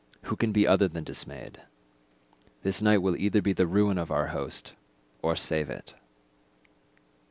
Who can be other than dismayed? This night will either be the ruin of our host, or save it."